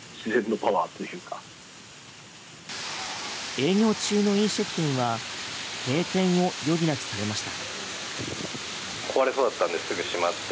営業中の飲食店は閉店を余儀なくされました。